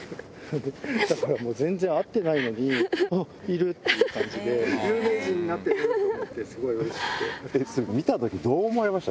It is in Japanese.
だからもう全然会ってないのに、あっ、いるっていう感じで、有名人になってると思って、すごいうれしく見たとき、どう思いました？